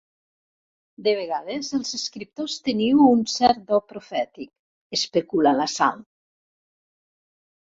De vegades els escriptors teniu un cert do profètic, especula la Sal.